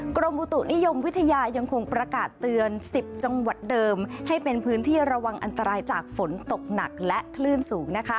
กรมอุตุนิยมวิทยายังคงประกาศเตือน๑๐จังหวัดเดิมให้เป็นพื้นที่ระวังอันตรายจากฝนตกหนักและคลื่นสูง